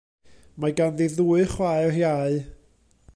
Mae ganddi ddwy chwaer iau.